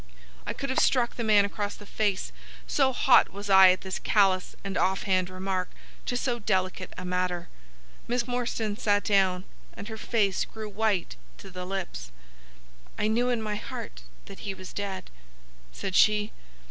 I could have struck the man across the face, so hot was I at this callous and off hand reference to so delicate a matter. Miss Morstan sat down, and her face grew white to the lips. "I knew in my heart that he was dead," said she.